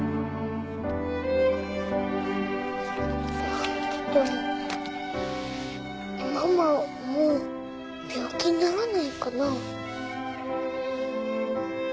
あっでもママはもう病気にならないかな。